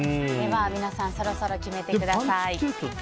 皆さんそろそろ決めてください。